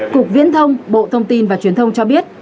cục viễn thông bộ thông tin và truyền thông cho biết